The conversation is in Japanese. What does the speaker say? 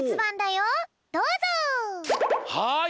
はい。